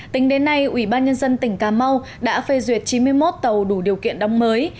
tính đến nay ủy ban nhân dân tỉnh cà mau đã phê duyệt chín mươi một tàu đủ điều kiện đóng mới